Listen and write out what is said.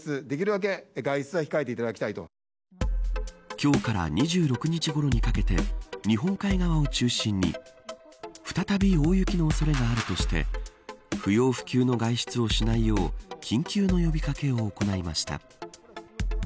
今日から２６日ごろにかけて日本海側を中心に再び大雪の恐れがあるとして不要不急の外出をしないよう緊急の呼び掛けを行いました。